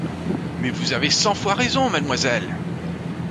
Mais vous avez cent fois raison, mademoiselle !